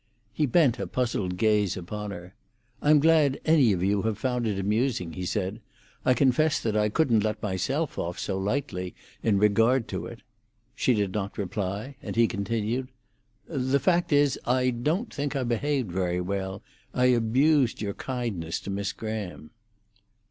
He bent a puzzled gaze upon her. "I'm glad any of you have found it amusing," he said;—"I confess that I couldn't let myself off so lightly in regard to it." She did not reply, and he continued: "The fact is, I don't think I behaved very well. I abused your kindness to Miss Graham."